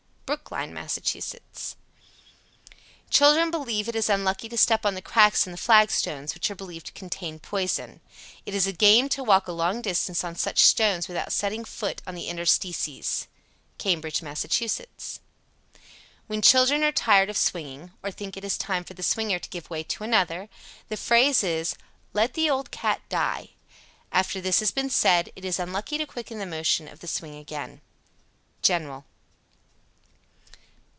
Brookline, Mass. 92. Children believe it is unlucky to step on the cracks in the flagstones, which are believed to contain poison. It is a game to walk a long distance on such stones without setting foot on the interstices. Cambridge, Mass. 93. When children are tired of swinging, or think it is time for the swinger to give way to another, the phrase is "let the old cat die." After this has been said, it is unlucky to quicken the motion of the swing again. _General.